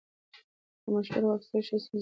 که مشوره واخیستل شي، ستونزه حل کېږي.